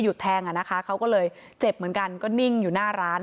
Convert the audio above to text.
แทงอ่ะนะคะเขาก็เลยเจ็บเหมือนกันก็นิ่งอยู่หน้าร้าน